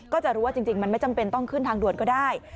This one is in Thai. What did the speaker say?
ก็จะรู้ว่าจริงมันไม่จำเป็นต้องขึ้นทางด่วนก็ได้